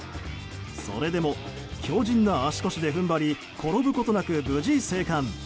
それでも強靭な足腰で踏ん張り転ぶことなく無事、生還。